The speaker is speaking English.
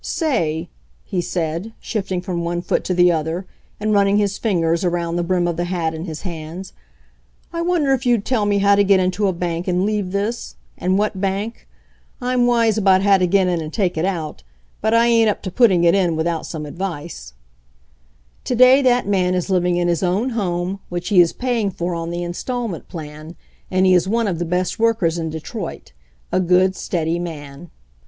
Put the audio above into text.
"Say," he said, shifting from one foot to the other, and running his fingers around the brim of the hat in his hands, "I wonder if you'd tell me how to get into a bank and leave this ? And what bank? I'm wise how to get in and take it out, but I ain't up to putting it in without some ad * 99 vice. To day that man is living in his own home which he is paying for on the installment plan, and he is one of the best workers in Detroit, a good, steady man.